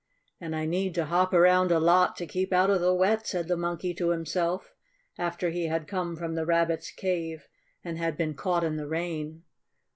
"And I need to hop around a lot, to keep out of the wet," said the Monkey to himself, after he had come from the Rabbit's cave and had been caught in the rain.